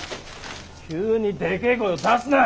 急にでけえ声を出すな！